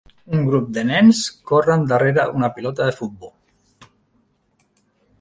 Un grup de nens corren darrere una pilota de futbol.